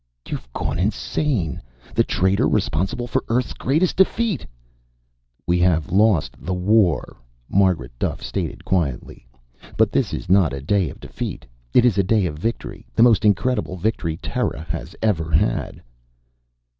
"You've gone insane! The traitor responsible for Earth's greatest defeat " "We have lost the war," Margaret Duffe stated quietly. "But this is not a day of defeat. It is a day of victory. The most incredible victory Terra has ever had."